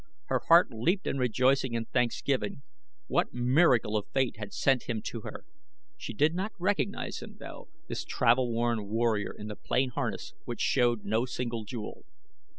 Her heart leaped in rejoicing and thanksgiving. What miracle of fate had sent him to her? She did not recognize him, though, this travel worn warrior in the plain harness which showed no single jewel.